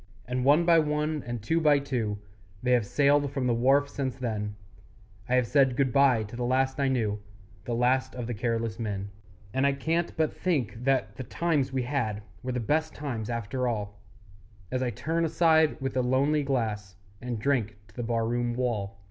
And one by one, and two by two, They have sailed from the wharf since then; I have said good bye to the last I knew, The last of the careless men. And I can't but think that the times we had Were the best times after all, As I turn aside with a lonely glass And drink to the bar room wall.